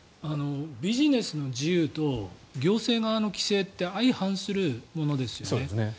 ビジネスの自由と行政側の規制って相反するものですよね。